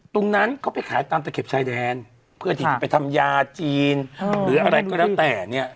ตรงนั้นเขาไปขายตามตะเข็บชายแดนเพื่อที่จะไปทำยาจีนหรืออะไรก็แล้วแต่เนี่ย